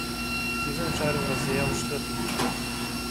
Diese Entscheidung war sehr umstritten.